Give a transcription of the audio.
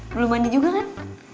belum mandi juga kan